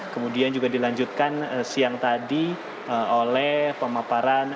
kemudian juga dilanjutkan siang tadi oleh pemaparan